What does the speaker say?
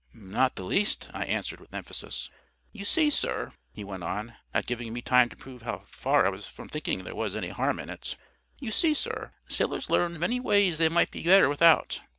"Not the least," I answered, with emphasis. "You see, sir," he went on, not giving me time to prove how far I was from thinking there was any harm in it; "You see, sir, sailors learns many ways they might be better without.